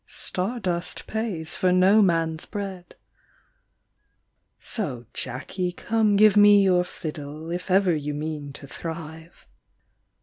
Star dust pays for no man s bread. So, Jacky, come give me your fiddle If ever you mean to thrive."